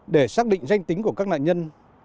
để xác định danh tính của các nạn nhân